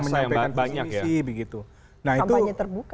menyampaikan visi misi begitu masa yang banyak ya